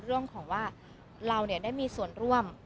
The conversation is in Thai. เรื่องของว่าเราได้มีส่วนร่วม